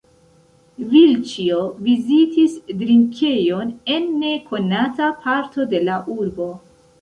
Vilĉjo vizitis drinkejon en nekonata parto de la urbo.